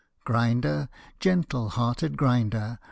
Grinder, gentle hearted Grinder!